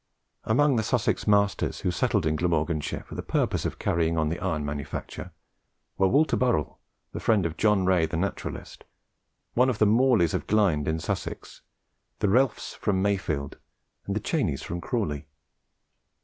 Among the Sussex masters who settled in Glamorganshire for the purpose of carrying on the iron manufacture, were Walter Burrell, the friend of John Ray, the naturalist, one of the Morleys of Glynde in Sussex, the Relfes from Mayfield, and the Cheneys from Crawley.